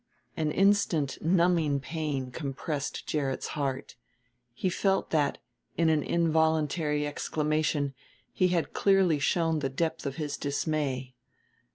An instant numbing pain compressed Gerrit's heart; he felt that, in an involuntary exclamation, he had clearly shown the depth of his dismay.